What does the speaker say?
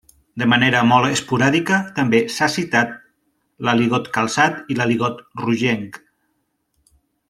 De manera molt esporàdica també s'ha citat l'aligot calçat i l'aligot rogenc.